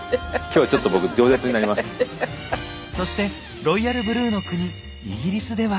そしてロイヤルブルーの国イギリスでは。